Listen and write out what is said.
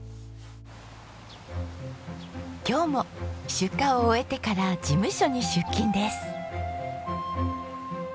今日も出荷を終えてから事務所に出勤です。